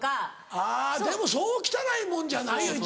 あぁでもそう汚いもんじゃないよ。